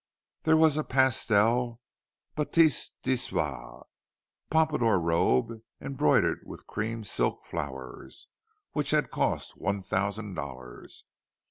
There was a pastel "batiste de soie" Pompadour robe, embroidered with cream silk flowers, which had cost one thousand dollars.